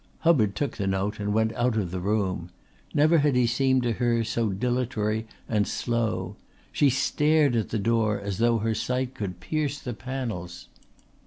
Hubbard took the note and went out of the room. Never had he seemed to her so dilatory and slow. She stared at the door as though her sight could pierce the panels.